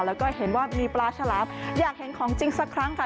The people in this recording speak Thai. แล้วก็เห็นว่ามีปลาฉลามอยากเห็นของจริงสักครั้งค่ะ